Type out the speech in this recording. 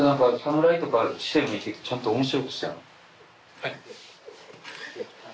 はい。